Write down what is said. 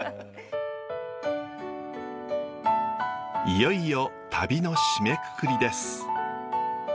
いよいよ旅の締めくくりです。